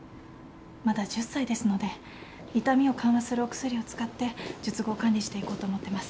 まだ１０歳ですので痛みを緩和するお薬を使って術後管理していこうと思ってます。